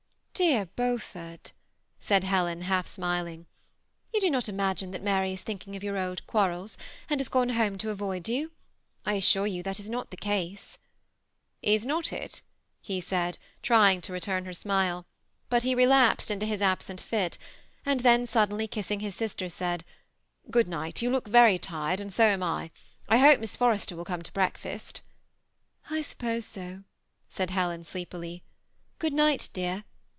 " Dear Beaufort," said Helen, half smiling, " you do not imagine that Mary is thinking of your old quarrels, and has gone home to avoid you. I assure you that is not the case." '' Is not it ?" he said, trying to return her smile ; but he relapsed into his absent fit, and then suddenly kissing 800 THE SEUI ATTACHED COUPLE. his eister, eaid, " Good night ; you look verj tired, and so am I. I hope Uiss Forrester will come to break fast" " I suppose so," said Helen, sleepily. " Good night, dear.